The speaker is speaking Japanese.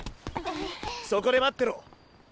そこで待ってろ！